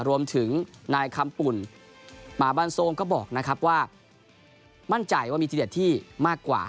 รวมถึงนายคำปุ่นมาบ้านทรงก็บอกนะครับว่ามั่นใจว่ามีทีเด็ดที่มากกว่า